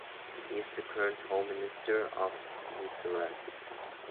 He is the current home minister of Mizoram.